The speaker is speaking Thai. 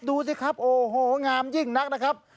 ดูสิครับโอ้โหงามยิ่งนักนะครับ